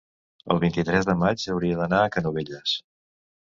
el vint-i-tres de maig hauria d'anar a Canovelles.